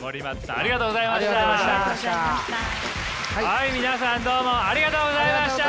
はい皆さんどうもありがとうございました！